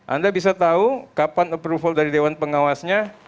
anda bisa tahu kapan approval dari dewan pengawasnya